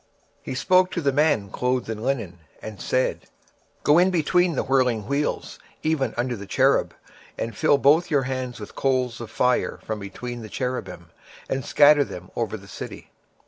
26:010:002 And he spake unto the man clothed with linen, and said, Go in between the wheels, even under the cherub, and fill thine hand with coals of fire from between the cherubims, and scatter them over the city.